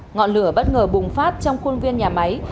ngọn lửa bất ngờ bùng phát trong khuôn viên nhà máy